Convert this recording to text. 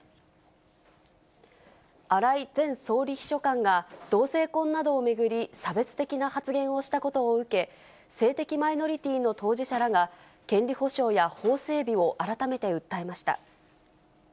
荒井前総理秘書官が、同性婚などを巡り、差別的な発言をしたことを受け、性的マイノリティーの当事者らが、権利保障や法整備を改めて訴えました。